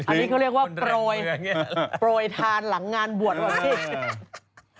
อันนี้เขาเรียกว่าโปรยทานหลังงานบวชวัดพี่